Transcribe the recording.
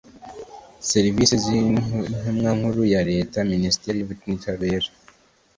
Serivisi z Intumwa Nkuru ya Leta Minisiteri y Ubutabera